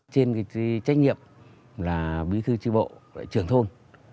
trên cái trách nhiệm là bí thư tri bộ trưởng thôn